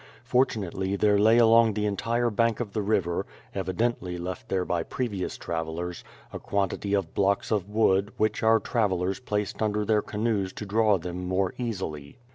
Fortunately there lay along the entire bank of the river, evidently left there by previous travellers, a quantity of blocks of wood which our travellers placed under their canoes to draw them more easily.